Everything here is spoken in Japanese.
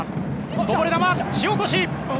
こぼれ球、塩越。